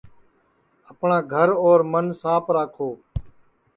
اپٹؔا گھر اور من ساپ راکھو